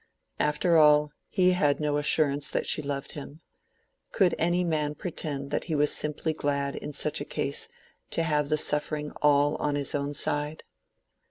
After all, he had no assurance that she loved him: could any man pretend that he was simply glad in such a case to have the suffering all on his own side?